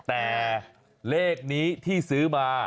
แต่เลขนี้ที่ซื้อมา